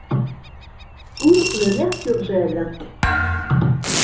Où le mercure gèle —